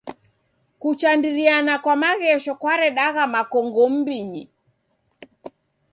Kuchandiriana kwa maghesho kwaredagha makongo m'mbinyi.